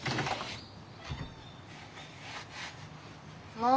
もう！